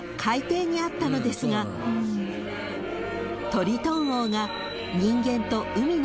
［トリトン王が］